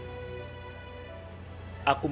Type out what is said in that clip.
makanya aku dateng kesini